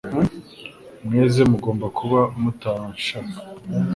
mweze mugomba kuba mutarashaka